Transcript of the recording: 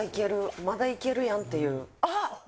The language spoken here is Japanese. まだいけるやんっていうあっ！